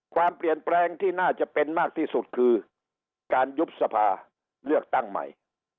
ความเปลี่ยนแปลงที่น่าจะเป็นมากที่สุดคือการยุบสภาเลือกตั้งใหม่